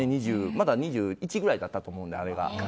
まだ２１ぐらいだったと思うので。